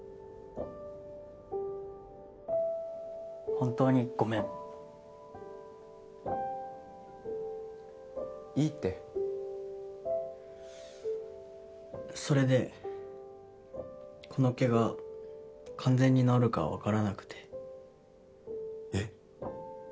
本当にごめんいいってそれでこのけが完全に治るかは分からなくてえっ？